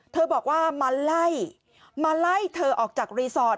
เธอบอกว่ามาไล่เธอออกจากรีสอร์ท